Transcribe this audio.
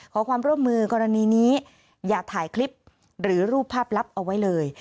ขอความร่วมมือกรณีนี้อย่าถ่ายคลิปหรือรูปภาพลับเอาไว้เลย